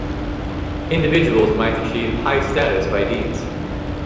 Individuals might achieve high status by deeds.